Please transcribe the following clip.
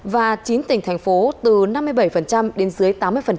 và chín tỉnh thành phố từ năm mươi bảy đến dưới tám mươi